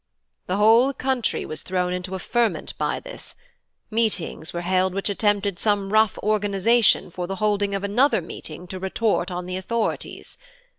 The whole country was thrown into a ferment by this; meetings were held which attempted some rough organisation for the holding of another meeting to retort on the authorities.